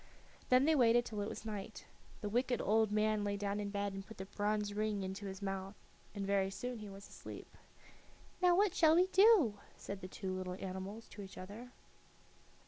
Then they waited till it was night. The wicked old man lay down in bed and put the bronze ring into his mouth, and very soon he was asleep. "Now, what shall we do?" said the two little animals to each other.